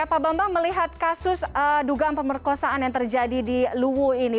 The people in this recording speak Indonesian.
pak bambang melihat kasus dugaan pemerkosaan yang terjadi di luwu ini